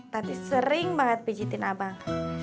tati sering banget pijetin abang